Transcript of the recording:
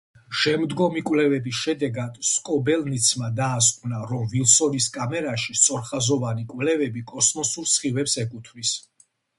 შემდგომი კვლევების შედეგად სკობელცინმა დაასკვნა, რომ ვილსონის კამერაში სწორხაზოვანი კვლები კოსმოსურ სხივებს ეკუთვნის.